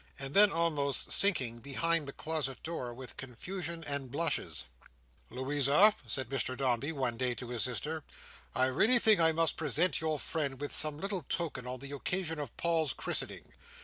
and then almost sinking behind the closet door with confusion and blushes. "Louisa," said Mr Dombey, one day, to his sister, "I really think I must present your friend with some little token, on the occasion of Paul's christening.